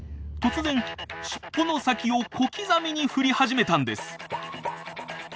突然しっぽの先を小刻みに振り始めたんです。